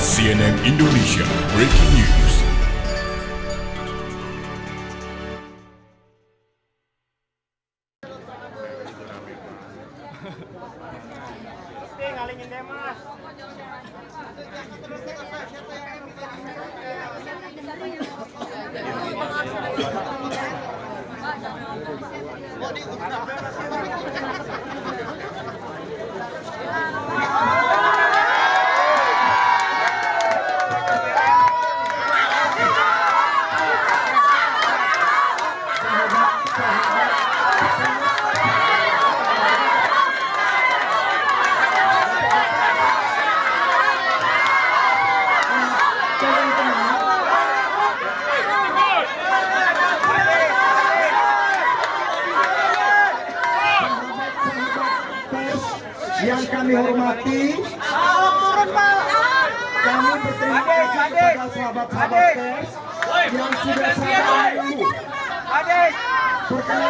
cnn indonesia breaking news